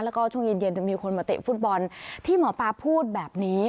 แล้วก็ช่วงเย็นเย็นจะมีคนมาเตะฟุตบอลที่หมอปลาพูดแบบนี้